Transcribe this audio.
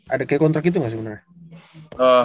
ada kayak kontrak gitu gak sebenarnya